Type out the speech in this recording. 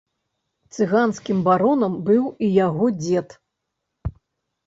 Цыганскім баронам быў і яго дзед.